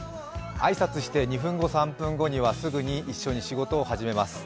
挨拶して２分後、３分後にはすぐに一緒に仕事を始めます。